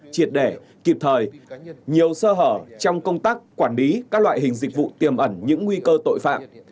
triệt để kịp thời nhiều sơ hở trong công tác quản lý các loại hình dịch vụ tiềm ẩn những nguy cơ tội phạm